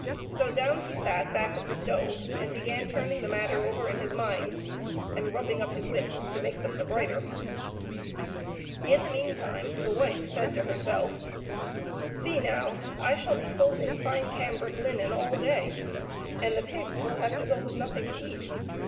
So down he sat back of the stove and began turning the matter over in his mind, and rubbing up his wits to make them the brighter In the meantime the wife said to herself, " See, now, I shall be folding fine cambric linen all day, and the pigs will have to go with nothing to eat.